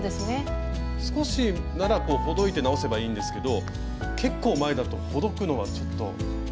少しならほどいて直せばいいんですけど結構前だとほどくのはちょっと。